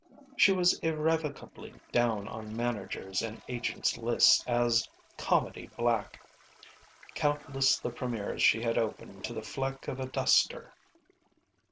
She was irrevocably down on managers' and agents' lists as "comedy black." Countless the premiers she had opened to the fleck of a duster!